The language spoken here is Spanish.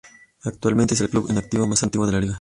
Actualmente es el club en activo más antiguo de la liga.